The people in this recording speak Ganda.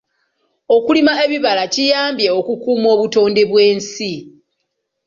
Okulima ebibala kiyambye okukuuma obutonde bw'ensi.